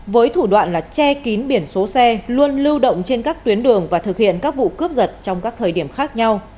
với thủ đoạn là che kín biển số xe luôn lưu động trên các tuyến đường và thực hiện các vụ cướp giật trong các thời điểm khác nhau